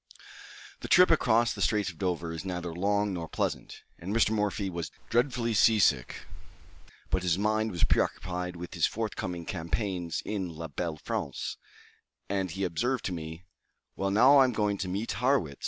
The trip across the Straits of Dover is neither long nor pleasant, and Mr. Morphy was dreadfully sea sick; but his mind was preoccupied with his forthcoming campaigns in la Belle France, and he observed to me, "Well, now I am going to meet Harrwitz!